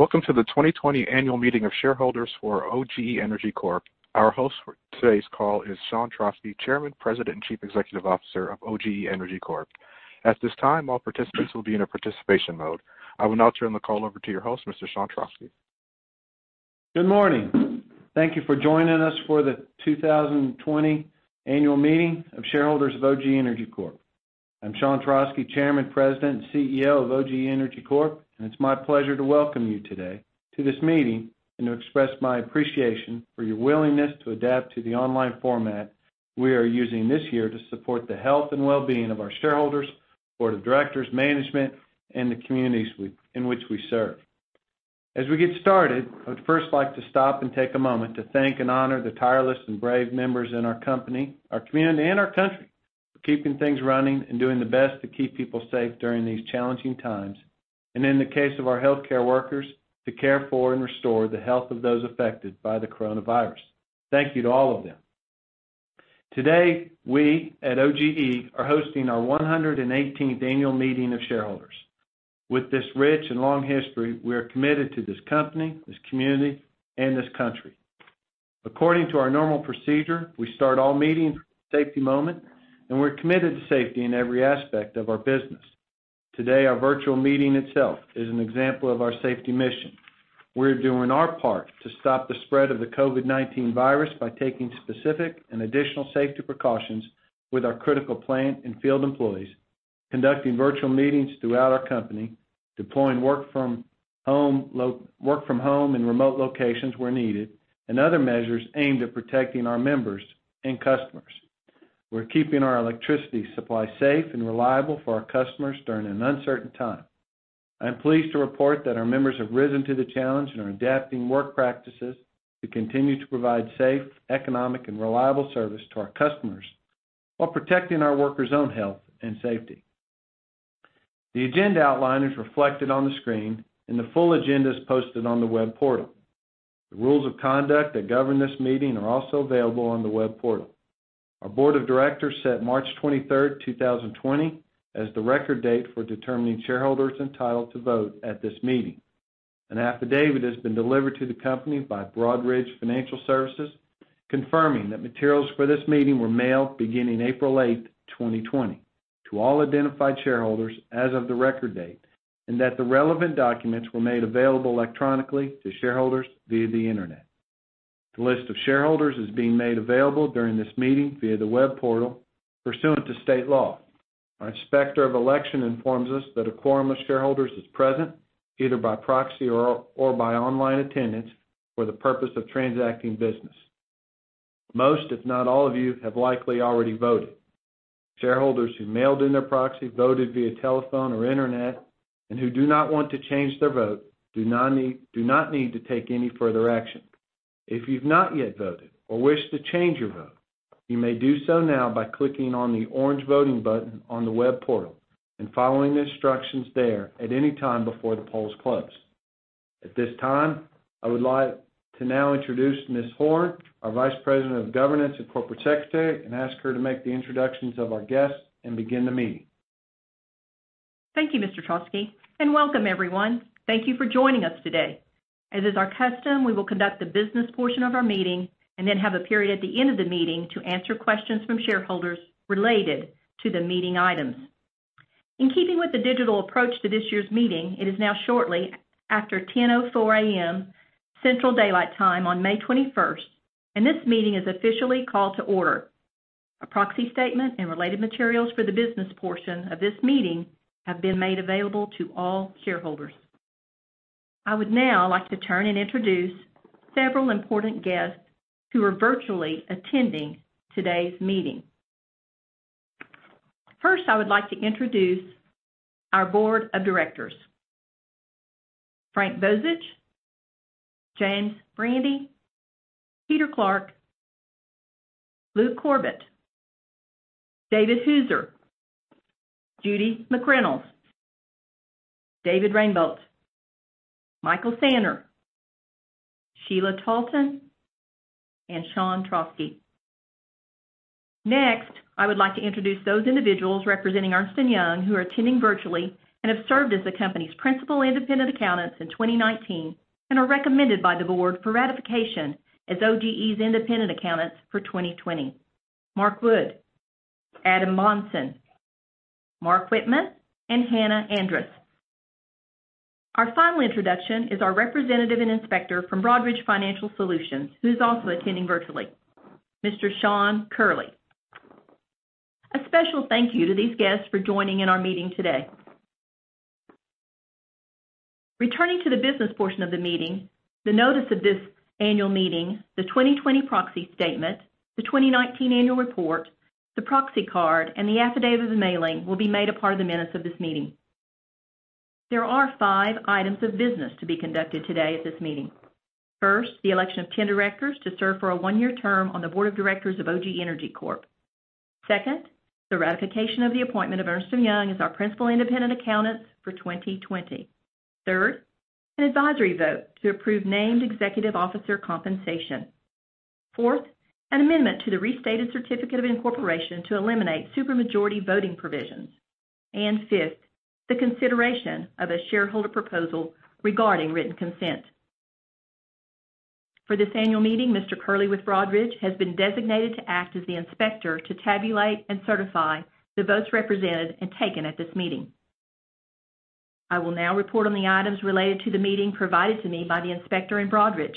Welcome to the 2020 annual meeting of shareholders for OGE Energy Corp. Our host for today's call is Sean Trauschke, Chairman, President, and Chief Executive Officer of OGE Energy Corp. At this time, all participants will be in a participation mode. I will now turn the call over to your host, Mr. Sean Trauschke. Good morning. Thank you for joining us for the 2020 annual meeting of shareholders of OGE Energy Corp. I'm Sean Trauschke, Chairman, President, and Chief Executive Officer of OGE Energy Corp, it's my pleasure to welcome you today to this meeting and to express my appreciation for your willingness to adapt to the online format we are using this year to support the health and wellbeing of our shareholders, board of directors, management, and the communities in which we serve. As we get started, I would first like to stop and take a moment to thank and honor the tireless and brave members in our company, our community, and our country, for keeping things running and doing their best to keep people safe during these challenging times. In the case of our healthcare workers, to care for and restore the health of those affected by the coronavirus. Thank you to all of them. Today, we at OGE are hosting our 118th annual meeting of shareholders. With this rich and long history, we are committed to this company, this community, and this country. According to our normal procedure, we start all meetings with a safety moment, and we're committed to safety in every aspect of our business. Today, our virtual meeting itself is an example of our safety mission. We're doing our part to stop the spread of the COVID-19 virus by taking specific and additional safety precautions with our critical plant and field employees, conducting virtual meetings throughout our company, deploying work-from-home in remote locations where needed, and other measures aimed at protecting our members and customers. We're keeping our electricity supply safe and reliable for our customers during an uncertain time. I am pleased to report that our members have risen to the challenge and are adapting work practices to continue to provide safe, economic, and reliable service to our customers while protecting our workers' own health and safety. The agenda outline is reflected on the screen, and the full agenda is posted on the web portal. The rules of conduct that govern this meeting are also available on the web portal. Our board of directors set March 23rd, 2020, as the record date for determining shareholders entitled to vote at this meeting. An affidavit has been delivered to the company by Broadridge Financial Solutions, confirming that materials for this meeting were mailed beginning April 8th, 2020, to all identified shareholders as of the record date, and that the relevant documents were made available electronically to shareholders via the internet. The list of shareholders is being made available during this meeting via the web portal pursuant to state law. Our Inspector of Election informs us that a quorum of shareholders is present, either by proxy or by online attendance for the purpose of transacting business. Most, if not all of you, have likely already voted. Shareholders who mailed in their proxy, voted via telephone or internet, and who do not want to change their vote do not need to take any further action. If you've not yet voted or wish to change your vote, you may do so now by clicking on the orange voting button on the web portal and following the instructions there at any time before the polls close. At this time, I would like to now introduce Ms. Horn, our Vice President of Governance and Corporate Secretary, and ask her to make the introductions of our guests and begin the meeting. Thank you, Mr. Trauschke, welcome everyone. Thank you for joining us today. As is our custom, we will conduct the business portion of our meeting and then have a period at the end of the meeting to answer questions from shareholders related to the meeting items. In keeping with the digital approach to this year's meeting, it is now shortly after 10:04 A.M. Central Daylight Time on May 21st. This meeting is officially called to order. A proxy statement and related materials for the business portion of this meeting have been made available to all shareholders. I would now like to turn and introduce several important guests who are virtually attending today's meeting. First, I would like to introduce our board of directors. Frank Bozich, James Brandi, Peter Clarke, Luke Corbett, David Hauser, Judy McReynolds, David Rainbolt, Michael Sanner, Sheila Talton, and Sean Trauschke. Next, I would like to introduce those individuals representing Ernst & Young who are attending virtually and have served as the company's principal independent accountants in 2019 and are recommended by the board for ratification as OGE's independent accountants for 2020. Mark Wood, Adam Monson, Mark Whitman, and Hannah Andrus. Our final introduction is our representative and inspector from Broadridge Financial Solutions, who's also attending virtually, Mr. Sean Curley. A special thank you to these guests for joining in our meeting today. Returning to the business portion of the meeting, the Notice of this Annual Meeting, the 2020 proxy statement, the 2019 annual report, the proxy card, and the affidavit of mailing will be made a part of the minutes of this meeting. There are five items of business to be conducted today at this meeting. First, the election of 10 directors to serve for a one-year term on the board of directors of OGE Energy Corp. Second, the ratification of the appointment of Ernst & Young as our principal independent accountants for 2020. Third, an advisory vote to approve named executive officer compensation. Fourth, an amendment to the restated certificate of incorporation to eliminate super majority voting provisions. Fifth, the consideration of a shareholder proposal regarding written consent. For this annual meeting, Mr. Curley with Broadridge has been designated to act as the inspector to tabulate and certify the votes represented and taken at this meeting. I will now report on the items related to the meeting provided to me by the Inspector in Broadridge.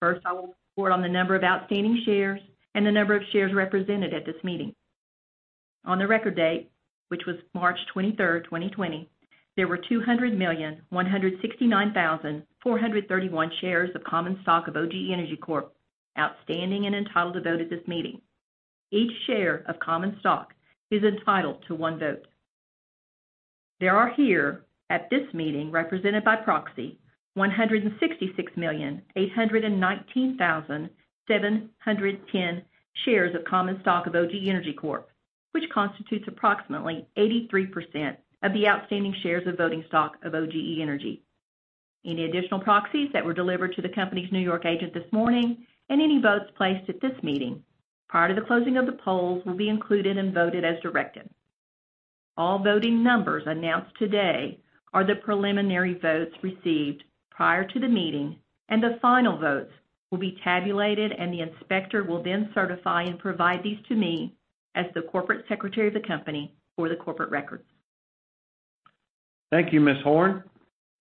First, I will report on the number of outstanding shares and the number of shares represented at this meeting. On the record date, which was March 23rd, 2020, there were 200,169,431 shares of common stock of OGE Energy Corp outstanding and entitled to vote at this meeting. Each share of common stock is entitled to one vote. There are here at this meeting, represented by proxy, 166,819,710 shares of common stock of OGE Energy Corp, which constitutes approximately 83% of the outstanding shares of voting stock of OGE Energy. Any additional proxies that were delivered to the company's New York agent this morning, and any votes placed at this meeting prior to the closing of the polls will be included and voted as directed. All voting numbers announced today are the preliminary votes received prior to the meeting, and the final votes will be tabulated and the Inspector will then certify and provide these to me as the Corporate Secretary of the company for the corporate records. Thank you, Ms. Horn.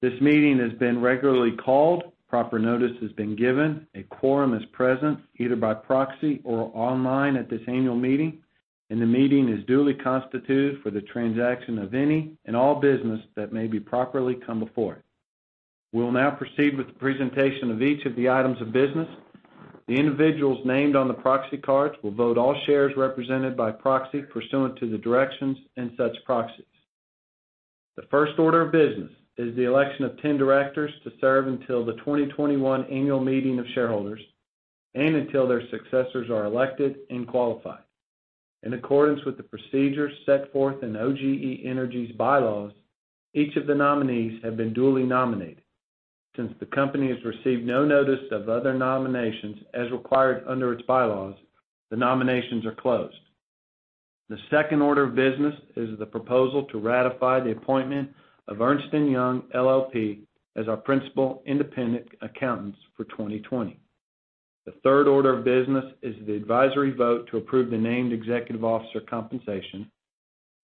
This meeting has been regularly called, proper notice has been given, a quorum is present either by proxy or online at this annual meeting, and the meeting is duly constituted for the transaction of any and all business that may be properly come before it. We will now proceed with the presentation of each of the items of business. The individuals named on the proxy cards will vote all shares represented by proxy pursuant to the directions in such proxies. The first order of business is the election of 10 directors to serve until the 2021 Annual Meeting of Shareholders and until their successors are elected and qualified. In accordance with the procedures set forth in OGE Energy's bylaws, each of the nominees have been duly nominated. Since the company has received no notice of other nominations as required under its bylaws, the nominations are closed. The second order of business is the proposal to ratify the appointment of Ernst & Young LLP as our principal independent accountants for 2020. The third order of business is the advisory vote to approve the named executive officer compensation.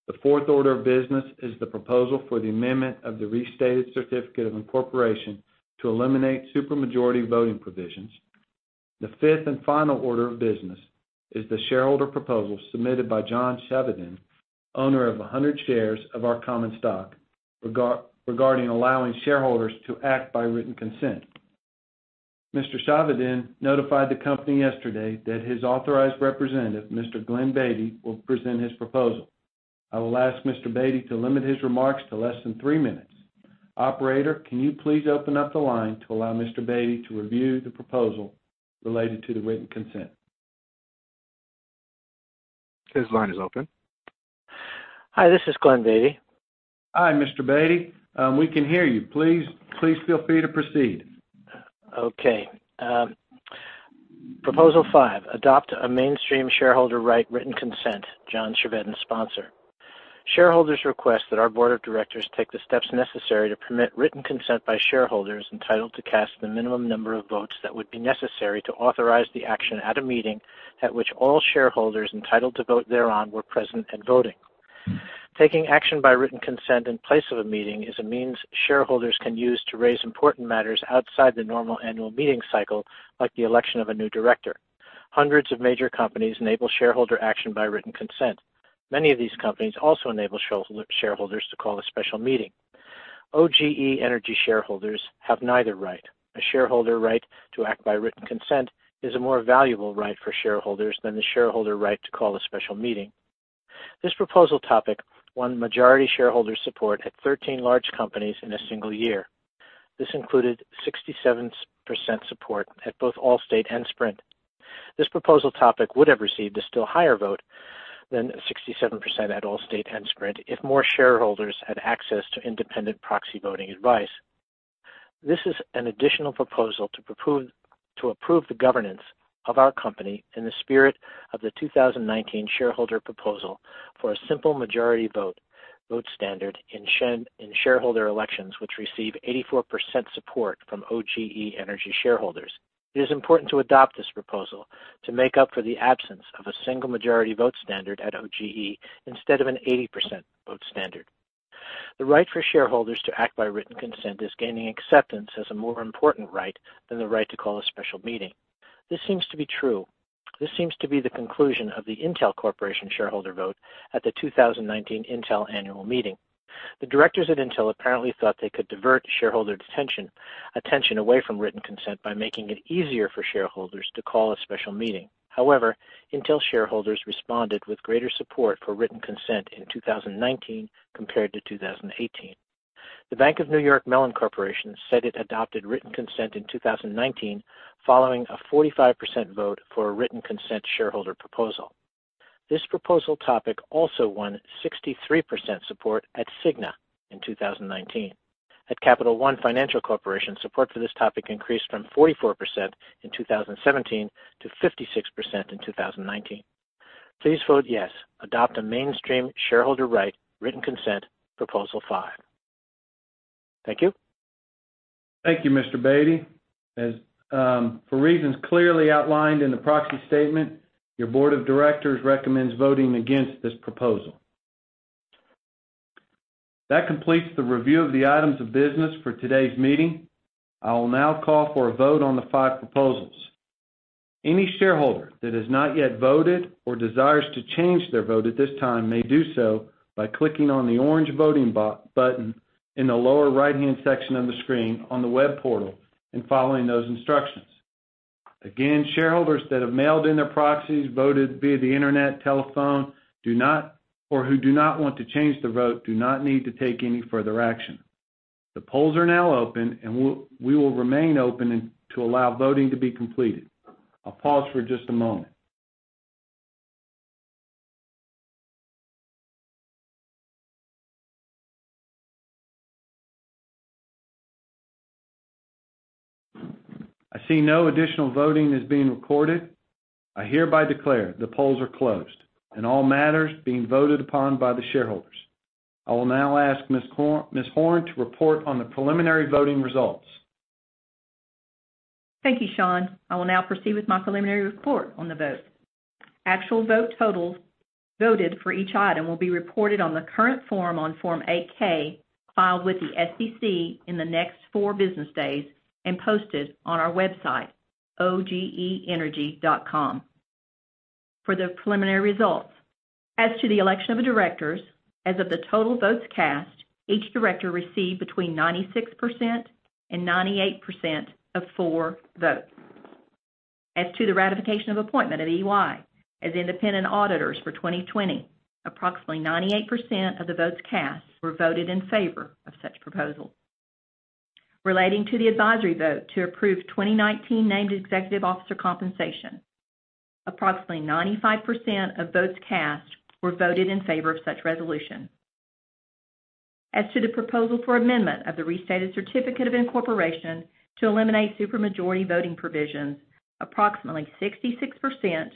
The fourth order of business is the proposal for the amendment of the restated certificate of incorporation to eliminate super majority voting provisions. The fifth and final order of business is the shareholder proposal submitted by John Chevedden, owner of 100 shares of our common stock regarding allowing shareholders to act by written consent. Mr. Chevedden notified the company yesterday that his authorized representative, Mr. Glenn Beatty, will present his proposal. I will ask Mr. Beatty to limit his remarks to less than three minutes. Operator, can you please open up the line to allow Mr. Beatty to review the proposal related to the written consent? His line is open. Hi, this is Glenn Beatty. Hi, Mr. Beatty. We can hear you. Please feel free to proceed. Okay. Proposal five, adopt a mainstream shareholder right written consent, John Chevedden, sponsor. Shareholders request that our board of directors take the steps necessary to permit written consent by shareholders entitled to cast the minimum number of votes that would be necessary to authorize the action at a meeting at which all shareholders entitled to vote thereon were present and voting. Taking action by written consent in place of a meeting is a means shareholders can use to raise important matters outside the normal annual meeting cycle, like the election of a new director. Hundreds of major companies enable shareholder action by written consent. Many of these companies also enable shareholders to call a special meeting. OGE Energy shareholders have neither right. A shareholder right to act by written consent is a more valuable right for shareholders than the shareholder right to call a special meeting. This proposal topic won majority shareholder support at 13 large companies in a single year. This included 67% support at both Allstate and Sprint. This proposal topic would have received a still higher vote than 67% at Allstate and Sprint if more shareholders had access to independent proxy voting advice. This is an additional proposal to approve the governance of our company in the spirit of the 2019 shareholder proposal for a simple majority vote standard in shareholder elections which received 84% support from OGE Energy shareholders. It is important to adopt this proposal to make up for the absence of a single majority vote standard at OGE instead of an 80% vote standard. The right for shareholders to act by written consent is gaining acceptance as a more important right than the right to call a special meeting. This seems to be true. This seems to be the conclusion of the Intel Corporation shareholder vote at the 2019 Intel annual meeting. The directors at Intel apparently thought they could divert shareholder attention away from written consent by making it easier for shareholders to call a special meeting. Intel shareholders responded with greater support for written consent in 2019 compared to 2018. The Bank of New York Mellon Corporation said it adopted written consent in 2019 following a 45% vote for a written consent shareholder proposal. This proposal topic also won 63% support at Cigna in 2019. At Capital One Financial Corporation, support for this topic increased from 44% in 2017 to 56% in 2019. Please vote yes. Adopt a mainstream shareholder right written consent Proposal 5. Thank you. Thank you, Mr. Beatty. For reasons clearly outlined in the proxy statement, your board of directors recommends voting against this proposal. That completes the review of the items of business for today's meeting. I will now call for a vote on the five proposals. Any shareholder that has not yet voted or desires to change their vote at this time may do so by clicking on the orange voting button in the lower right-hand section of the screen on the web portal and following those instructions. Shareholders that have mailed in their proxies, voted via the internet, telephone or who do not want to change their vote, do not need to take any further action. The polls are now open and we will remain open to allow voting to be completed. I'll pause for just a moment. I see no additional voting is being recorded. I hereby declare the polls are closed in all matters being voted upon by the shareholders. I will now ask Ms. Horn to report on the preliminary voting results. Thank you, Sean. I will now proceed with my preliminary report on the vote. Actual vote totals voted for each item will be reported on the current form on Form 8-K filed with the SEC in the next four business days and posted on our website, ogeenergy.com. For the preliminary results, as to the election of the directors, as of the total votes cast, each director received between 96% and 98% of four votes. As to the ratification of appointment of EY as independent auditors for 2020, approximately 98% of the votes cast were voted in favor of such proposal. Relating to the advisory vote to approve 2019 named executive officer compensation, approximately 95% of votes cast were voted in favor of such resolution. As to the proposal for amendment of the restated certificate of incorporation to eliminate super majority voting provisions, approximately 66%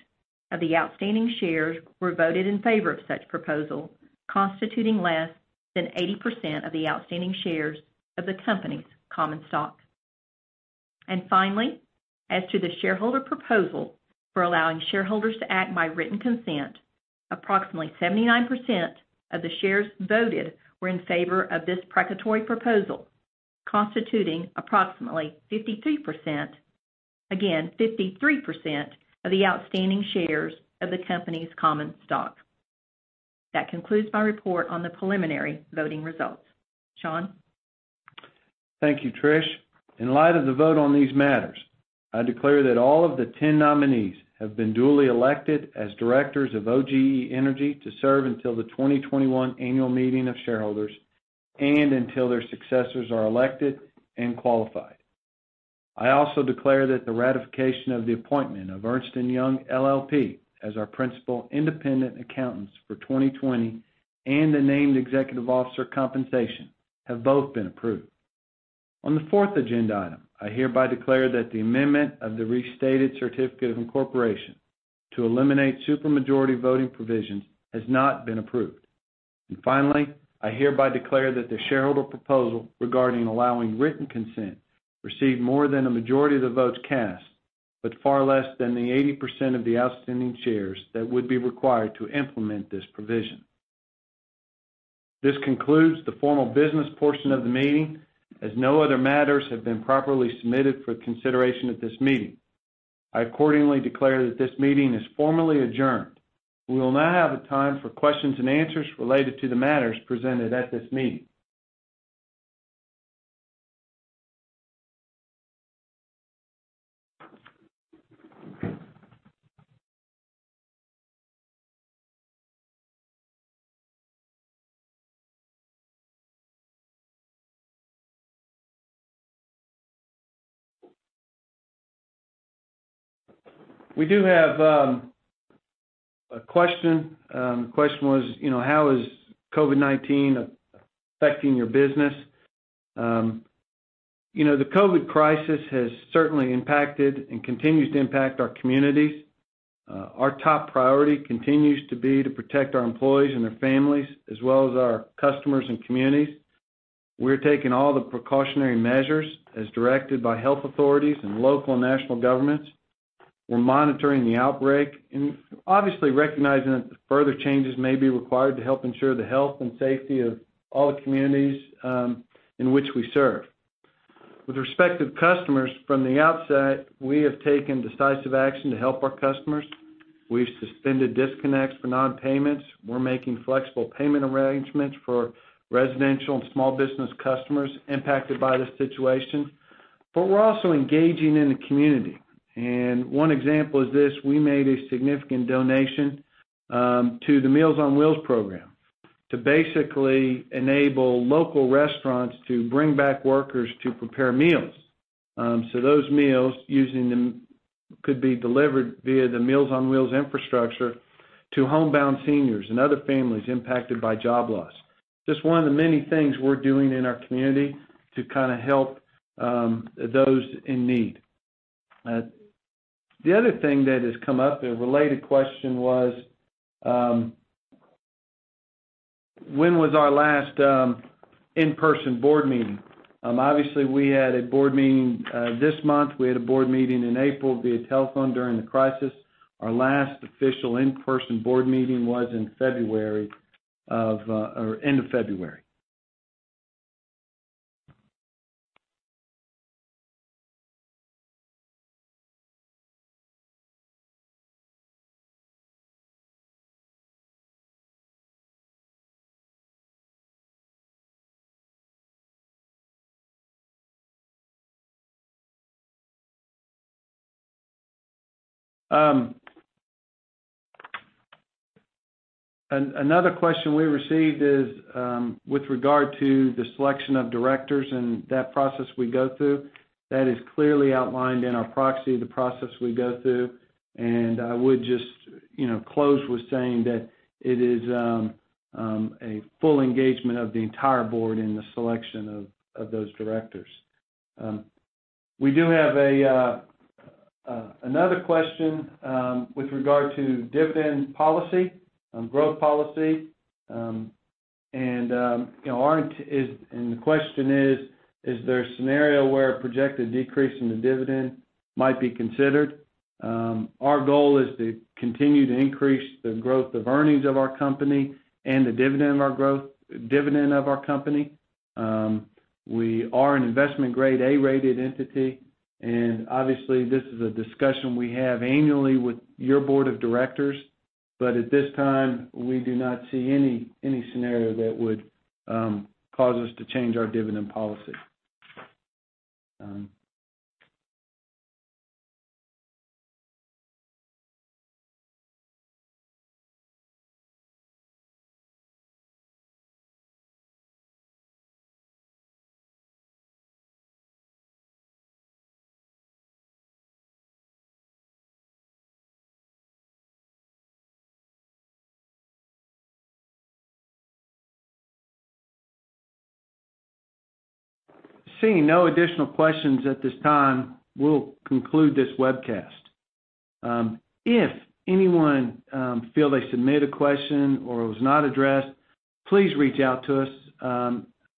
of the outstanding shares were voted in favor of such proposal, constituting less than 80% of the outstanding shares of the company's common stock. Finally, as to the shareholder proposal for allowing shareholders to act by written consent, approximately 79% of the shares voted were in favor of this precatory proposal, constituting approximately 53%, again 53%, of the outstanding shares of the company's common stock. That concludes my report on the preliminary voting results. Sean. Thank you, Trish. In light of the vote on these matters, I declare that all of the 10 nominees have been duly elected as directors of OGE Energy to serve until the 2021 Annual Meeting of Shareholders and until their successors are elected and qualified. I also declare that the ratification of the appointment of Ernst & Young LLP as our principal independent accountants for 2020 and the named executive officer compensation have both been approved. On the fourth agenda item, I hereby declare that the amendment of the restated certificate of incorporation to eliminate super majority voting provisions has not been approved. Finally, I hereby declare that the shareholder proposal regarding allowing written consent received more than a majority of the votes cast, but far less than the 80% of the outstanding shares that would be required to implement this provision. This concludes the formal business portion of the meeting, as no other matters have been properly submitted for consideration at this meeting. I accordingly declare that this meeting is formally adjourned. We will now have a time for questions and answers related to the matters presented at this meeting. We do have a question. The question was, how is COVID-19 affecting your business? The COVID crisis has certainly impacted and continues to impact our communities. Our top priority continues to be to protect our employees and their families, as well as our customers and communities. We're taking all the precautionary measures as directed by health authorities and local and national governments. We're monitoring the outbreak and obviously recognizing that further changes may be required to help ensure the health and safety of all the communities in which we serve. With respect to customers, from the outset, we have taken decisive action to help our customers. We've suspended disconnects for non-payments. We're making flexible payment arrangements for residential and small business customers impacted by this situation, but we're also engaging in the community. One example is this, we made a significant donation to the Meals on Wheels program to basically enable local restaurants to bring back workers to prepare meals. Those meals, using them, could be delivered via the Meals on Wheels infrastructure to homebound seniors and other families impacted by job loss. Just one of the many things we're doing in our community to kind of help those in need. The other thing that has come up, a related question was, when was our last in-person board meeting? Obviously, we had a board meeting this month. We had a board meeting in April via telephone during the crisis. Our last official in-person board meeting was in February, or end of February. Another question we received is with regard to the selection of directors and that process we go through. That is clearly outlined in our proxy, the process we go through. I would just close with saying that it is a full engagement of the entire board in the selection of those directors. We do have another question with regard to dividend policy, growth policy. The question is: Is there a scenario where a projected decrease in the dividend might be considered? Our goal is to continue to increase the growth of earnings of our company and the dividend of our company. We are an investment Grade A rated entity, and obviously, this is a discussion we have annually with your board of directors, but at this time, we do not see any scenario that would cause us to change our dividend policy. Seeing no additional questions at this time, we'll conclude this webcast. If anyone feel they submit a question or it was not addressed, please reach out to us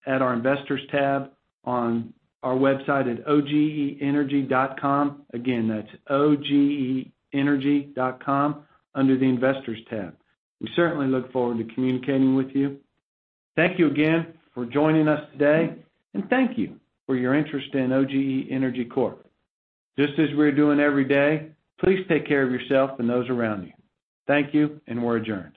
at our Investors tab on our website at ogeenergy.com. Again, that's ogeenergy.com under the Investors tab. We certainly look forward to communicating with you. Thank you again for joining us today, and thank you for your interest in OGE Energy Corp. Just as we're doing every day, please take care of yourself and those around you. Thank you, and we're adjourned.